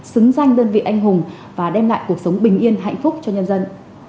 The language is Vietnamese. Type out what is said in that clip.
xứng danh đơn vị anh hùng và đem lại cuộc sống bình yên hạnh phúc cho nhân dân